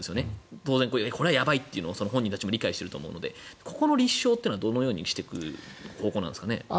当然、これはやばいと本人たちも理解していると思うのでここの立証というのはどのようにしていく方向なんですかね。